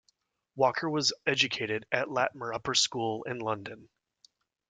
Walker was educated at Latymer Upper School in London.